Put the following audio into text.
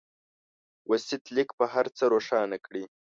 وصيت ليک به هر څه روښانه کړي.